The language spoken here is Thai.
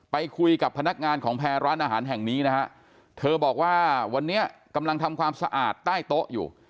ไปคุยกับพนักงานของแพรร้านอาหารแห่งนี้นะฮะเธอบอกว่าวันนี้กำลังทำความสะอาดใต้โต๊ะอยู่